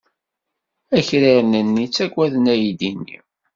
Akraren-nni ttaggaden aydi-nni.